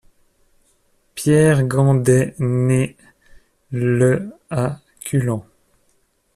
Pierre Gandet naît le à Culan.